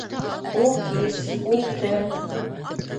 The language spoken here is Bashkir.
Ул кис, ул төн...